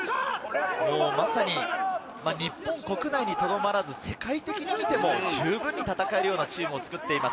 日本国内にとどまらず、世界的に見ても、十分に戦えるようなチームを作っています。